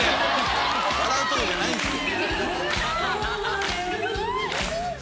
笑うとこじゃないんすよ。